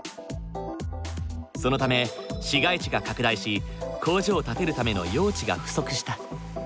そのため市街地が拡大し工場を建てるための用地が不足した。